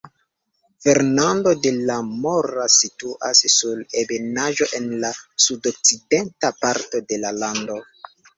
Fernando de la Mora situas sur ebenaĵo en la sudokcidenta parto de la lando.